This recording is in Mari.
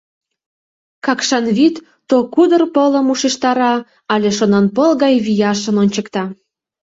Какшан вӱд то кудыр пылым ушештара але шонанпыл гай вияшын ончыкта.